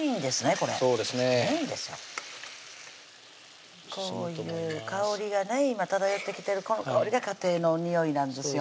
こういう香りがね今漂ってきてるこの香りが家庭のにおいなんですよ